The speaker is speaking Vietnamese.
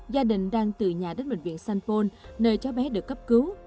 gia đình đang từ nhà đến bệnh viện sanpon nơi cháu bé được cấp cứu